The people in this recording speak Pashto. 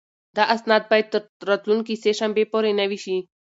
دا اسناد باید تر راتلونکې سه شنبې پورې نوي شي.